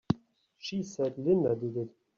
She said Linda did it!